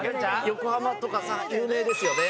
横浜とかさ有名ですよね。